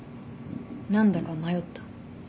何だか迷った？